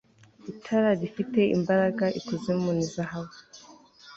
Itara rifite imbaraga ikuzimu ni zahabu